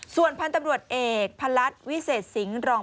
ส่วนพันธุ์ตำรวจเอกพลัดวิเศษสิงห์รอง